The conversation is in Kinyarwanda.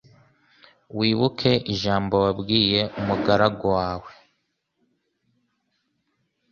Wibuke ijambo wabwiye umugaragu wawe